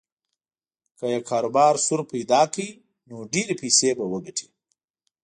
که یې کاروبار سور پیدا کړ نو ډېرې پیسې به وګټي.